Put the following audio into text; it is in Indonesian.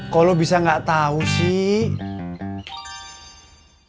kok lu bisa gak tau sih